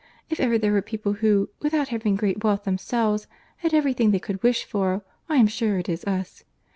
If ever there were people who, without having great wealth themselves, had every thing they could wish for, I am sure it is us.